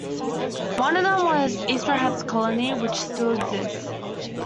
One of them was Esterhaz colony, which still exists.